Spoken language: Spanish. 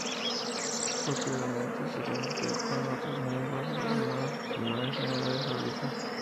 Posteriormente se refugió, con otros miembros de los Hermanos Musulmanes, en Arabia Saudita.